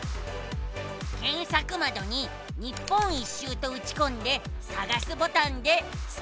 けんさくまどに日本一周とうちこんでさがすボタンでスクるのさ。